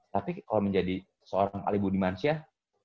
tapi kalau menjadi seorang ali budi mansyah